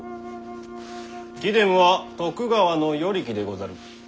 貴殿は徳川の与力でござる。